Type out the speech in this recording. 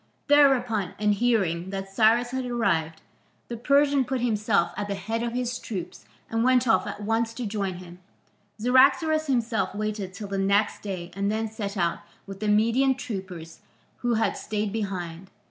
Thereupon, and hearing that Cyrus had arrived, the Persian put himself at the head of his troops and went off at once to join him. Cyaxares himself waited till the next day and then set out with the Median troopers who had stayed behind.